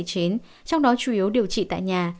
trong đó chủ yếu điều trị tại nhà